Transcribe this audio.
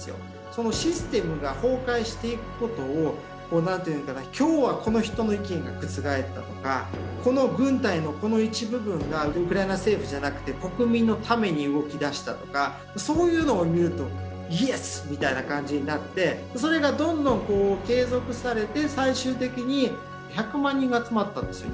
そのシステムが崩壊していくことを何ていうのかな今日はこの人の意見が覆ったとかこの軍隊のこの一部分がウクライナ政府じゃなくて国民のために動きだしたとかそういうのを見ると「イエス！」みたいな感じになってそれがどんどん継続されて最終的に１００万人が集まったんですよ